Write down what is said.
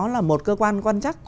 là một cơ quan quan chắc